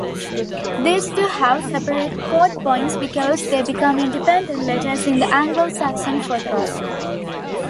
These two have separate codepoints because they become independent letters in the Anglo-Saxon futhorc.